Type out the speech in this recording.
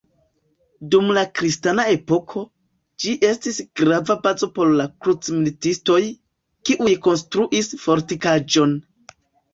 Dum la kristana epoko, ĝi estis grava bazo por la krucmilitistoj, kiuj konstruis fortikaĵon.